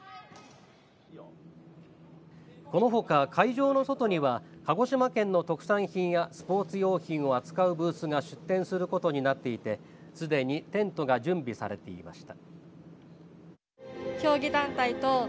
このほか、会場の外には鹿児島県の特産品やスポーツ用品を扱うブースが出展することになっていてすでにテントが準備されていました。